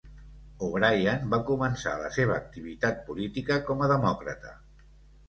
O'Brien va començar la seva activat política com a demòcrata.